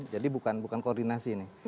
jadi bukan koordinasi ini